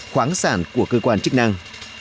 khoáng sản của cơ quan chức năng